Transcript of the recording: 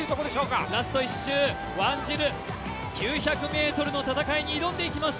ラスト１周、ワンジル９００ｍの戦いに挑んでいきます。